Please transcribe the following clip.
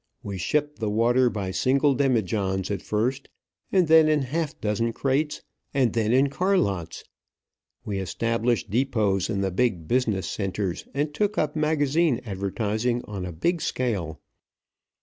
We shipped the water by single demijohns at first, and then in half dozen crates, and then in car lots. We established depots in the big business centres, and took up magazine advertising on a big scale.